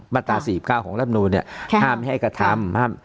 ตรา๔๙ของรัฐนูนเนี่ยห้ามไม่ให้กระทำห้าม